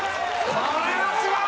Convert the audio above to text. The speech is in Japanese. これはすごい！